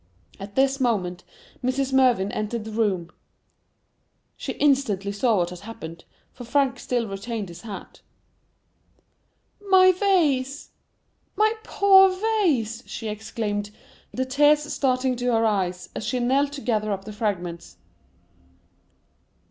At this moment, Mrs. Mervyn entered the room. She instantly saw what had happened, for Frank still retained his hat. "My vase,—my poor vase!" she exclaimed, the tears starting to her eyes, as she knelt to gather up the fragments.